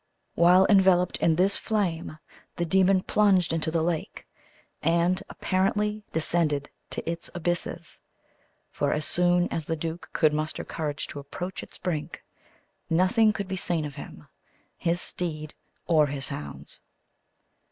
While enveloped in this flame, the demon plunged into the lake, and apparently descended to its abysses, for as soon as the duke could muster courage to approach its brink, nothing could be seen of him, his steed, or his hounds.